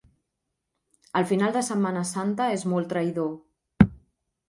El final de Setmana Santa és molt traïdor.